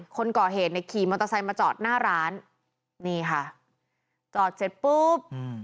คนก่อเหตุเนี่ยขี่มอเตอร์ไซค์มาจอดหน้าร้านนี่ค่ะจอดเสร็จปุ๊บอืม